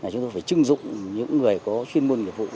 chúng tôi phải chưng dụng những người có chuyên môn nghiệp vụ